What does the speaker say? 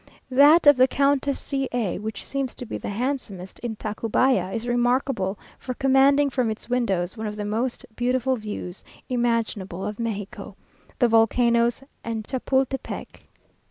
That of the Countess C a, which seems to be the handsomest in Tacubaya, is remarkable for commanding from its windows one of the most beautiful views imaginable of Mexico, the volcanoes and Chapultepec.